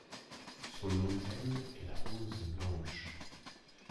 Son emblème est la rose blanche.